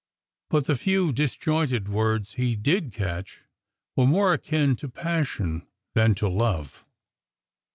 But the few disjointed words he did catch were more akin to passion than to love.